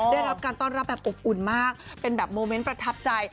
ได้รับการต้อนรับแบบอบอุ่นมากเป็นแบบโมเมนต์ประทับใจ